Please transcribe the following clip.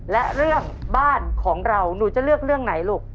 และเรื่องบ้านของเราหนูจะเลือกเรื่องไหนลูก